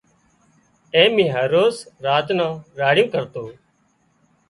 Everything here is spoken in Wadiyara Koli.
ايم اي هروز راچا نان راڙيون ڪرتو